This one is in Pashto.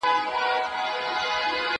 زه له سهاره لوښي وچوم!.